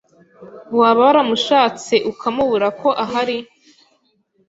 waba waramushatse ukamubura ko ahari